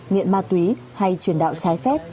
nghiện ma túy hay truyền đạo trái phép